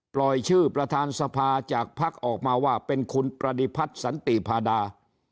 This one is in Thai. ปล่อยชื่อประธานสภาจากภักดิ์ออกมาว่าเป็นคุณปฏิพัฒน์สันติพาดา